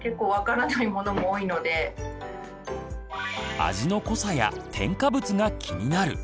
味の濃さや添加物が気になる！